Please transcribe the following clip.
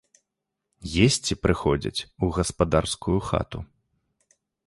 Есці прыходзяць у гаспадарскую хату.